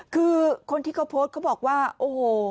คือคนที่เขาโพสต์เขาบอกว่าโอ้โห